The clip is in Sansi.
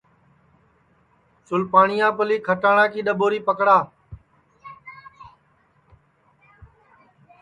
چُل پاٹؔیا میلی کھٹاٹؔا کی ڈؔٻوری پکڑا